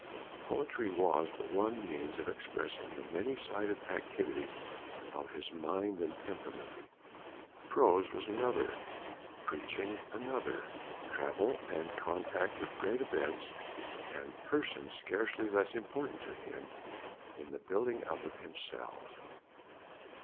Poetry was but one means of expressing the many sided activity of his mind and temperament. Prose was another, preaching another; travel and contact with great events and persons scarcely less important to him, in the building up of himself.